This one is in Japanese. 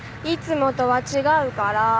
いつもとは違うから。